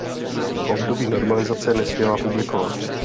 V období normalizace nesměla publikovat.